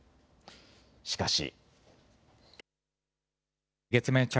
しかし。